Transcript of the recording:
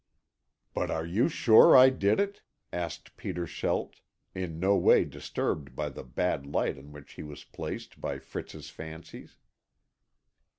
"But are you sure I did it?" asked Peter Schelt, in no way disturbed by the bad light in which he was placed by Fritz's fancies.